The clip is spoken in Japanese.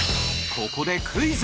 ここでクイズ！